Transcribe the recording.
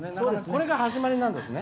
これが始まりなんですね。